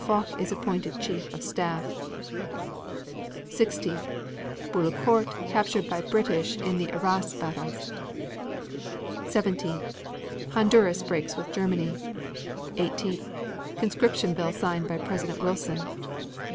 Foch is appointed Chief of Staff. 16. Bullecourt captured by British in the Arras battles. 17. Honduras breaks with Germany. 18. Conscription bill signed by President Wilson.